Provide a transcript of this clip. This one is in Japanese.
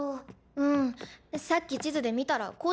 うんさっき地図で見たらこっちって。